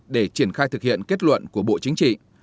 để triển khai thực hiện kết luận của bộ chính trị